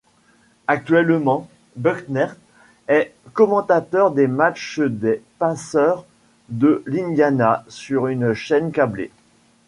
Actuellement, Buckner est commentateur des matchs des Pacers de l'Indiana sur une chaîne câblée.